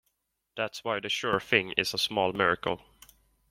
That's why "The Sure Thing" is a small miracle.